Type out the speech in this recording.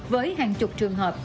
với hàng chục trường hợp